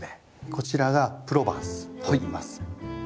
こちらがプロバンスといいます。